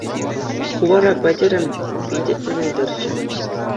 Ку вара Петӗре питӗ тӗлӗнтерчӗ.